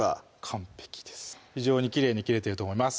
完璧です非常にきれいに切れてると思います